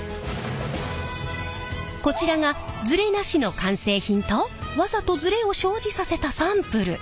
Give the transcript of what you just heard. こちらがズレなしの完成品とわざとズレを生じさせたサンプル。